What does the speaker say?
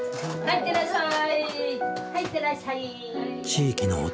いってらっしゃい！